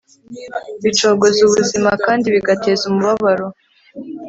bicogoza ubuzima kandi bigateza umubabaro